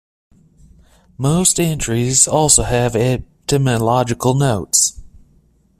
Most entries also have etymological notes.